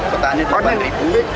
petani tiga petani tiga puluh enam